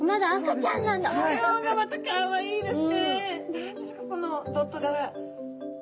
何ですかこのドット柄。